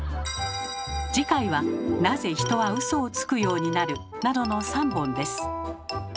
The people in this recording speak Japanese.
次回は「なぜ人はウソをつくようになる」などの３本です。